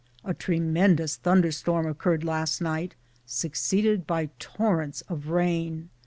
A tremendous thunder storm occurred last night, succeeded by torrents of rain.